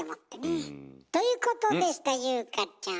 うん。ということでした優香ちゃん。